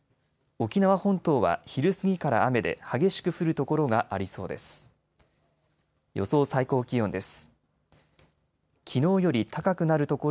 沖縄本島は昼過ぎから雨で激しく降る所がありそうです。